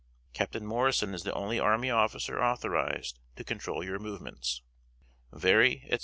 Captain Morrison is the only army officer authorized to control your movements." "Very, etc.